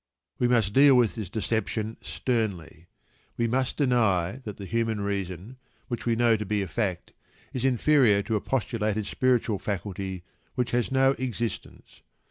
We must deal with this deception sternly. We must deny that the human reason, which we know to be a fact, is inferior to a postulated "spiritual" faculty which has no existence.